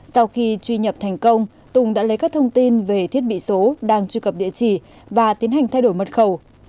sau khi truy nhập thành công tùng đã lấy các thông tin về thiết bị số đang truy cập địa chỉ và tiến hành thay đổi mật khẩu